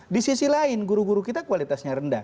di sisi lain guru guru kita kualitasnya rendah